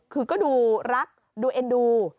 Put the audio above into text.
คือก็ดูรักดูเอ็นดู